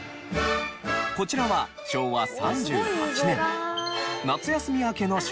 こちらは昭和３８年。